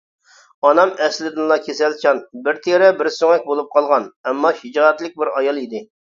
ئانام ئەسلىدىنلا كېسەلچان، بىر تىرە بىر سۆڭەك بولۇپ قالغان، ئەمما شىجائەتلىك بىر ئايال ئىدى.